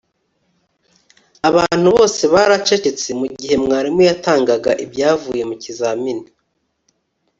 Abantu bose baracecetse mugihe mwarimu yatangaga ibyavuye mu kizamini